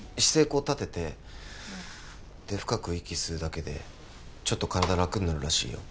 こう立ててで深く息吸うだけでちょっと体楽になるらしいよ